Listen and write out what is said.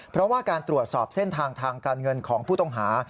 เพราะว่าการตรวจสอบเส้นทางทางการเงินของผู้ต้องหา